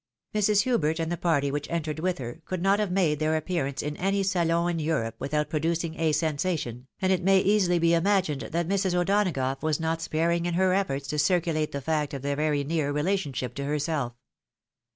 Mre. Hubert and the party which entered with her, could not have made their appearance in any salon in Europe without producing a sensalion, and it may easily be imagined that Mrs. O'Donagoiigh was not sparing in her efforts to circulate the fact of their very near relationship to herself.